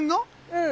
うん。